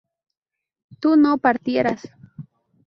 tú no partieras